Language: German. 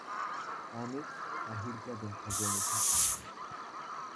Damit erhielt er den persönlichen Adel.